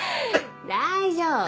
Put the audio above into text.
大丈夫！